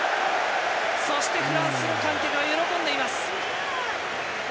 そしてフランスの観客が喜んでいます。